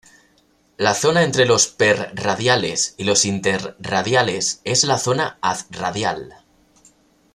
La zona entre los "per-radiales" y los "inter-radiales" es la zona "ad-radial".